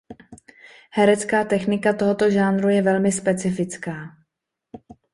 Herecká technika tohoto žánru je velmi specifická.